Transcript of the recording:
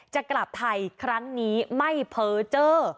จะกลับไทยครั้งนี้ไม่เพ้อเจอ